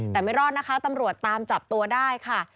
แต่ไม่รอดนะคะตำรวจตามจับตัวได้ค่ะ